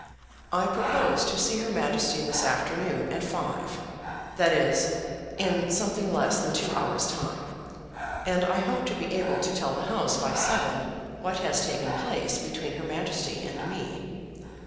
I propose to see her Majesty this afternoon at five, that is, in something less than two hours' time, and I hope to be able to tell the House by seven what has taken place between her Majesty and me.